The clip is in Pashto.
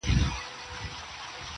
مخ یې ونیوی د نیل د سیند پر لوري!.